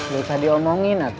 bisa diomongin atau